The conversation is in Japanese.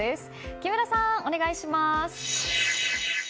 木村さん、お願いします。